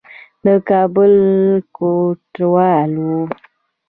د کابل کوټوال وو.